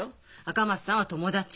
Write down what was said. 赤松さんは友達。